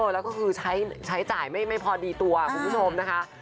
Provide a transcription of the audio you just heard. แล้วก็คือใช้จ่ายไม่พอดีตัวคุณผู้ชมนะคะ